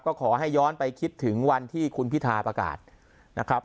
ก็ขอให้ย้อนไปคิดถึงวันที่คุณพิธาประกาศนะครับ